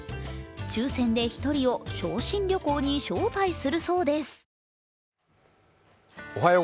抽選で１人を傷心旅行に招待するそうです。